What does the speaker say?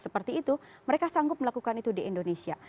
seperti itu mereka sanggup melakukan itu di indonesia